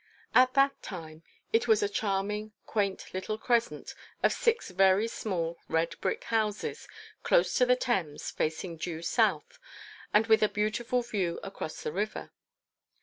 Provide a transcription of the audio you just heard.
At that time it was a charming, quaint little crescent of six very small red brick houses, close to the Thames, facing due south, and with a beautiful view across the river.